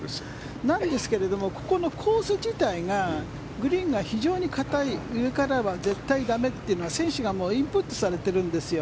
なんですけど、このコース自体がグリーンが非常に硬い上からは絶対駄目というのは選手がインプットされてるんですよ。